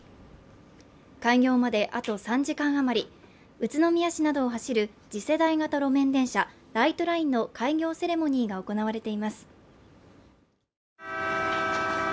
開業まであと３時間余り宇都宮市などを走る次世代型路面電車ライトラインの開業セレモニーが行われています